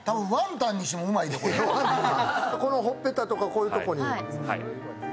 このほっぺたとか、こういうとこに。